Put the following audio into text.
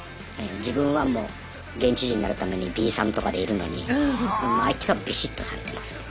自分はもう現地人になるためにビーサンとかでいるのに相手はビシッとされてますね。